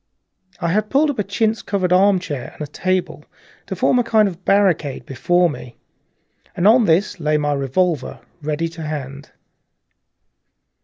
I had pulled up a chintz covered armchair and a table to form a kind of barricade before me. On this lay my revolver, ready to hand.